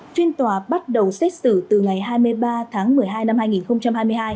phiên tòa bắt đầu xét xử từ ngày hai mươi ba tháng một mươi hai năm hai nghìn hai mươi hai